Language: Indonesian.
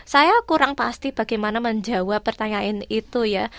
saya kurang pasti bagaimana menjawab pertanyaan itu ya